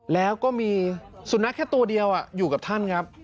แล้วก็มีสุนัขแค่ตัวเดียวอยู่กับท่านครับ